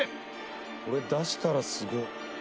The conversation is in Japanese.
これ出したらすごい。